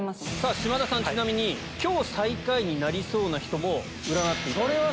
島田さんちなみに今日最下位になりそうな人も占っていただいてる。